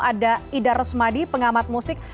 ada ida resmadi pengamat musik